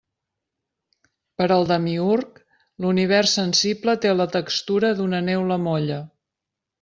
Per al demiürg, l'univers sensible té la textura d'una neula molla.